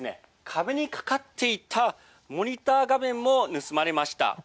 壁に掛かっていたモニター画面も盗まれました。